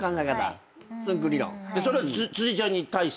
それは辻ちゃんに対してだけ？